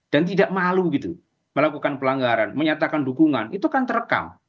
dan tidak malu gitu melakukan pelanggaran menyatakan dukungan itu kan terekam